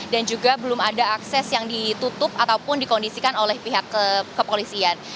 dan juga belum ada akses yang ditutup ataupun dikondisikan oleh pihak kepolisian